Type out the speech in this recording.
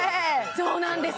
そうなんです